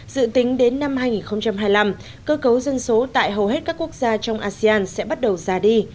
dự tính đến năm hai nghìn hai mươi năm cơ cấu dân số tại hầu hết các quốc gia trong asean sẽ bắt đầu già đi